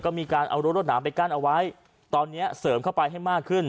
ก็มีการเอารั้รวดหนามไปกั้นเอาไว้ตอนนี้เสริมเข้าไปให้มากขึ้น